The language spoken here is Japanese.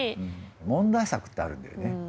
問題作ってあるんだよね